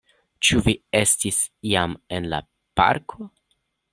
Ĉu vi estis iam en la parko?